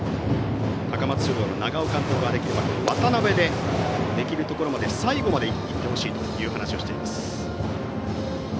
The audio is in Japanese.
高松商業の長尾監督は渡辺でできるところまで最後まで行ってほしいと話をしています。